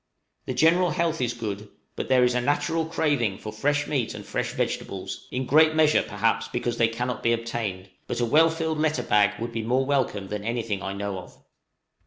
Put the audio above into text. The general health is good, but there is a natural craving for fresh meat and fresh vegetables in great measure, perhaps, because they cannot be obtained; but a well filled letter bag would be more welcome than anything I know of.